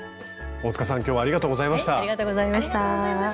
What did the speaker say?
大さん今日はありがとうございました